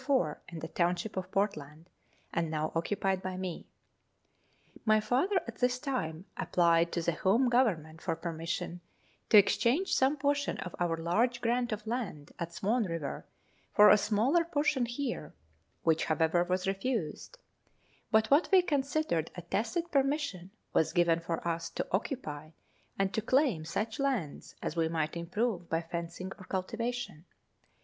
4 in the township of Portland, and now occupied by me. 262 Letters from Victorian Pioneers. My father at this time applied to the Home Government for permission to exchange some portion of our large grant of land at Swan River for a smaller portion here, which, however, was refused; but what we considered a tacit permission was given for us to occupy and to claim such lands as we might improve by fencing or cultivation.